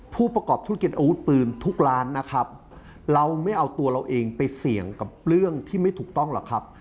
ผู้ประกอบธุรกิจอาวุธปืนทุกร้านนะครับเราไม่เอาตัวเราเองไปเสี่ยงกับเรื่องที่ไม่ถูกต้องหรอกครับ